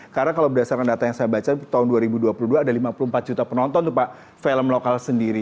karena kalau berdasarkan data yang saya baca tahun dua ribu dua puluh dua ada lima puluh empat juta penonton untuk pak film lokal sendiri